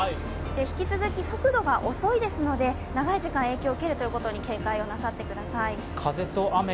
引き続き速度が遅いですので長い時間、影響を受けることに警戒をなさってください。